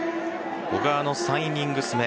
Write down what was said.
小川の３イニングス目。